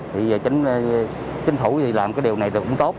thì giờ chính phủ thì làm cái điều này thì cũng tốt